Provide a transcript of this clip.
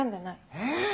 え！